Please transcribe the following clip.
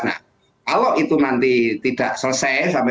nah kalau itu nanti tidak selesai sampai dua ribu dua puluh empat